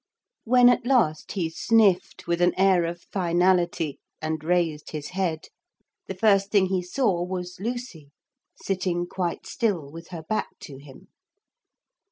When at last he sniffed with an air of finality and raised his head, the first thing he saw was Lucy, sitting quite still with her back to him.